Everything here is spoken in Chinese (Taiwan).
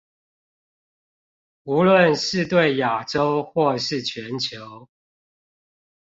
無論是對亞洲或是全球